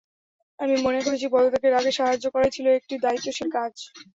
আমি মনে করেছি, পদত্যাগের আগে সাহায্য করাই ছিল একটি দায়িত্বশীল কাজ।